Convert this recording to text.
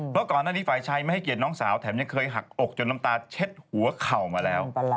เพราะก่อนหน้านี้ฝ่ายชายไม่ให้เกียรติน้องสาวแถมยังเคยหักอกจนน้ำตาเช็ดหัวเข่ามาแล้ว